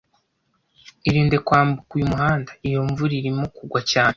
Irinde kwambuka uyu muhanda iyo imvura irimo kugwa cyane